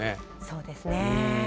そうですね。